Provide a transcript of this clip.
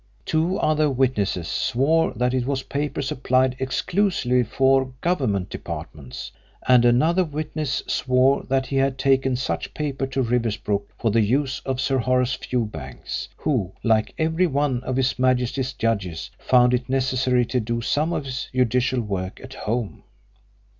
Two other witnesses swore that it was paper supplied exclusively for Government Departments, and another witness swore that he had taken such paper to Riversbrook for the use of Sir Horace Fewbanks, who, like every one of His Majesty's judges, found it necessary to do some of his judicial work at home.